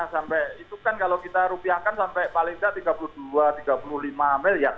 sampai itu kan kalau kita rupiahkan sampai paling tidak tiga puluh dua tiga puluh lima miliar